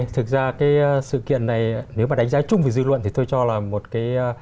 thực ra cái sự kiện này nếu mà đánh giá chung về dư luận thì tôi cho là một cái